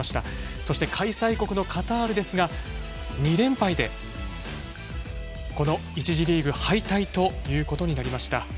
そして、開催国のカタールですが２連敗で１次リーグ敗退ということになりました。